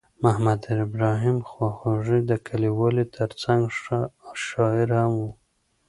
محمد ابراهیم خواخوږی د لیکوالۍ ترڅنګ ښه شاعر هم ؤ.